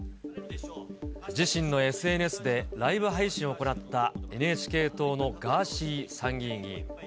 自身のＳＮＳでライブ配信を行ったＮＨＫ党のガーシー参議院議員。